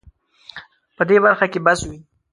په دې برخه کې بس وي